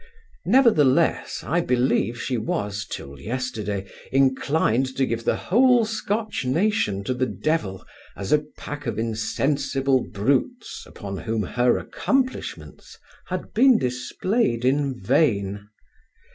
Nevertheless, I believe, she was, till yesterday, inclined to give the whole Scotch nation to the devil, as a pack of insensible brutes, upon whom her accomplishments had been displayed in vain.